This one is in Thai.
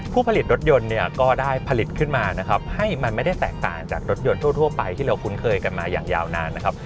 ผู้ผลิตรถยนต์เนี่ยก็ได้ผลิตขึ้นมานะครับให้มันไม่ได้แตกต่างจากรถยนต์ทั่วไปที่เราคุ้นเคยกันมาอย่างยาวนานนะครับ